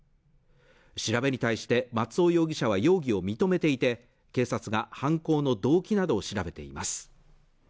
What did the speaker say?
調べに対して松尾容疑者は容疑を認めていて警察が犯行の動機などを調べています